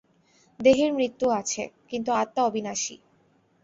দেহের মৃত্যু আছে, কিন্তু আত্মা অবিনাশী।